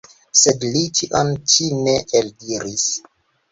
Sed li tion ĉi ne eldiris.